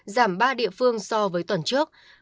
giảm ba địa phương so với tuần trước